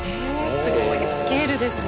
すごいスケールですね。